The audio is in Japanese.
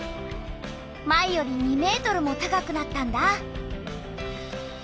前より２ｍも高くなったんだ。